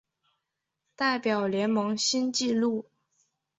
代表联盟新纪录